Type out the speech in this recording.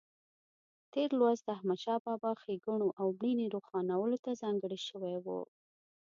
تېر لوست د احمدشاه بابا ښېګڼو او مړینې روښانولو ته ځانګړی شوی و.